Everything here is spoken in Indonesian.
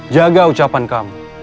jaga ucapan kamu